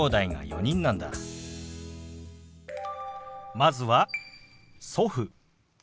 まずは「祖父」。